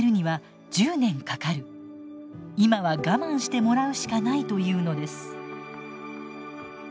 今は我慢してもらうしかない」と言うのです。